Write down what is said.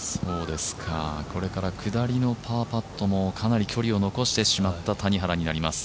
これから下りのパーパットもかなり距離を残してしまった谷原になります。